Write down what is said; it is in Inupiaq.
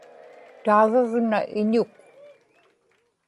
taagagna iñuk